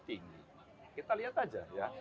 tinggi kita lihat saja